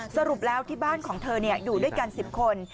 สรุปแล้วที่บ้านของเธออยู่ด้วยกัน๑๐คน